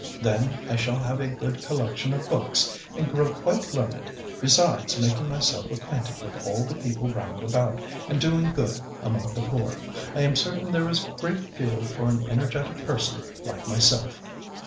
Then I shall have a good collection of books, and grow quite learned, besides making myself acquainted with all the people round about, and doing good among the poor. I am certain there is a great field for an energetic person like myself."